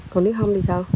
còn nếu không thì sao